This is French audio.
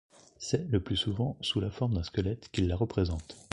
C'est, le plus souvent, sous la forme d'un squelette qu'ils la représentent.